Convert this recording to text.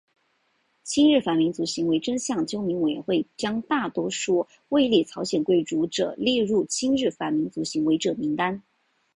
亲日反民族行为真相纠明委员会将大多数位列朝鲜贵族者列入亲日反民族行为者名单。